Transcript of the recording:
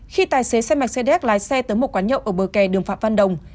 khi tài xế xe mercedes lái xe tới một quán nhậu ở bờ kè đường phạm văn đồng